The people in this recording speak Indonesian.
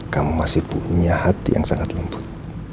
kamu masih punya hati yang sangat lembut